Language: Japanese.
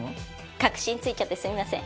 核心ついちゃってすいません。